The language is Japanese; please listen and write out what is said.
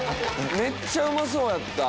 めっちゃうまそうやった。